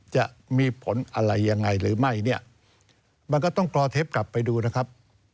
จะมีผลอะไรยังไงหรือไม่เนี่ยมันก็ต้องกรอเทปกลับไปดูนะครับ